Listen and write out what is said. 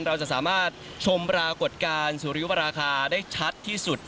เราจะสามารถชมปรากฏการณ์สุริยุปราคาได้ชัดที่สุด